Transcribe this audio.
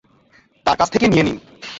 তার কাছ থেকে নিয়ে নিন।